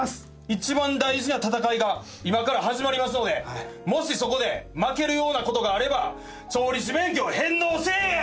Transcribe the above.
一番大事な戦いが今から始まりますのでもしそこで負けるようなことがあれば調理師免許を返納せぇや！